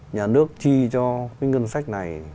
nhà nước chi cho cái ngân sách này